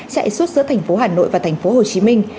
chạy suốt giữa thành phố hà nội và thành phố hồ chí minh